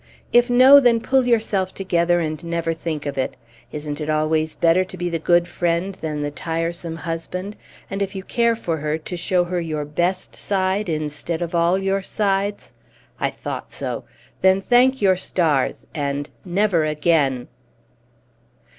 If no, then pull yourself together and never think of it. Isn't it always better to be the good friend than the tiresome husband, and, if you care for her, to show her your best side instead of all your sides? I thought so! Then thank your stars, and never again!"